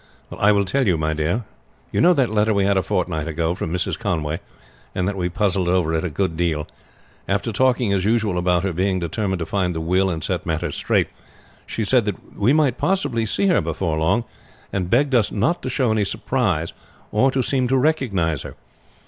"I will tell you, my dear. You know that letter we had a fortnight ago from Mrs. Conway, and that we puzzled over it a good deal. After talking as usual about her being determined to find the will and set matters straight, she said that we might possibly see her before long, and begged us not to show any surprise or to seem to recognize her.